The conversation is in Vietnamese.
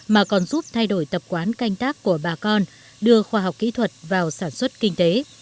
mà còn giúp thay đổi tập quán canh tác của bà con đưa khoa học kỹ thuật vào sản xuất kinh tế